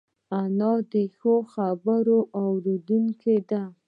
انا د ښو خبرو اورېدونکې ده